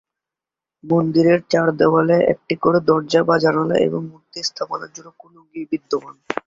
মন্দিরের চার দেওয়ালে একটি করে দরজা বা জানালা এবং মূর্তি স্থাপনের জন্য কুলুঙ্গি বিদ্যমান।